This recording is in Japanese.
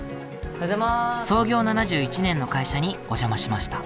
創業７１年の会社にお邪魔しました。